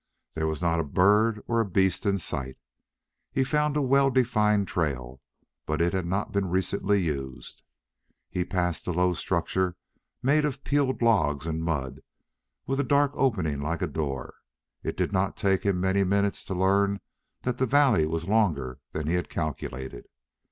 There was not a bird or a beast in sight. He found a well defined trail, but it had not been recently used. He passed a low structure made of peeled logs and mud, with a dark opening like a door. It did not take him many minutes to learn that the valley was longer than he had calculated.